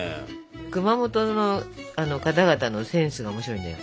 熊本の方々のセンスが面白いんだよ。